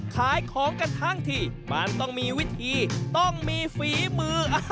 ขายของกันทั้งทีมันต้องมีวิธีต้องมีฝีมือ